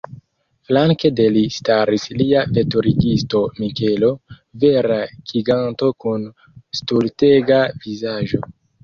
Flanke de li staris lia veturigisto Mikelo, vera giganto kun stultega vizaĝo.